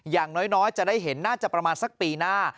อย่างน้อยจะได้เห็นน่าจะประมาณสักปีหน้า